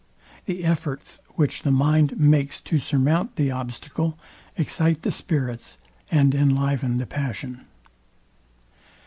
The efforts, which the mind makes to surmount the obstacle, excite the spirits and inliven the passion.